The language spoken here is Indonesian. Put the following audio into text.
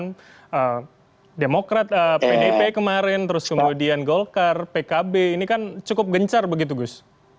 dan demokrat pdp kemarin terus kemudian golkar pkb ini kan cukup gencar begitu gus